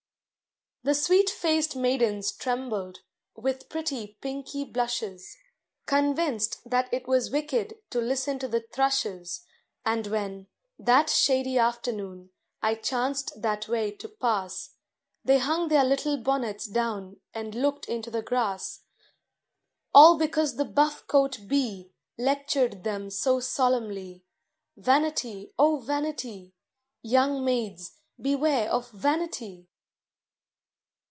The sweet faced maidens trembled, with pretty, pinky blushes, Convinced that it was wicked to listen to the Thrushes; And when, that shady afternoon, I chanced that way to pass, They hung their little bonnets down and looked into the grass, All because the buff coat Bee Lectured them so solemnly: "Vanity, oh, vanity! Young maids, beware of vanity!"